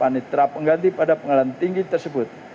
panitra pengganti pada pengadilan tinggi tersebut